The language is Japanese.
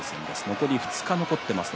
残り２日、残っています。